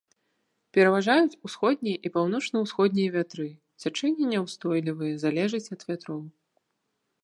Пераважаюць усходнія і паўночна-ўсходнія вятры, цячэнні няўстойлівыя, залежаць ад вятроў.